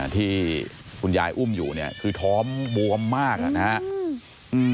ที่คุณยายอุ้มอยู่เนี่ยคือท้องบวมมากนะครับ